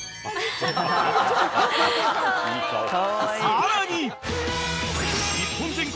［さらに］